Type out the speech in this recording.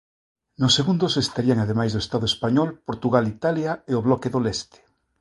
Nos segundos estarían, ademais do Estado español, Portugal, Italia e o bloque do leste.